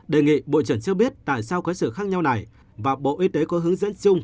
đề nghị bộ trưởng cho biết tại sao có sự khác nhau này và bộ y tế có hướng dẫn chung